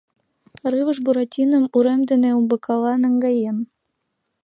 Рывыж Буратином урем дене умбакыла наҥгаен.